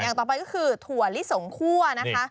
อย่างต่อไปก็คือถั่วลิสงคั่วนะคะ